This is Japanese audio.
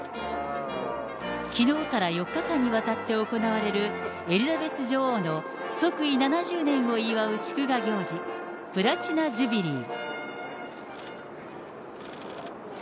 きのうから４日間にわたって行われるエリザベス女王の即位７０年を祝う祝賀行事、プラチナ・ジュビリー。